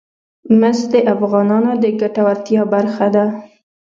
مس د افغانانو د ګټورتیا برخه ده.